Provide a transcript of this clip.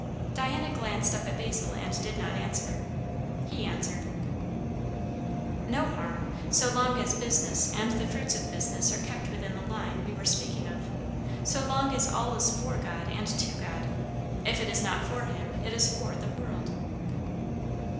Diana glanced up at Basil and did not answer. He answered. "No harm so long as business and the fruits of business are kept within the line we were speaking of; so long as all is for God and to God. If it is not for him, it is for the 'world.'"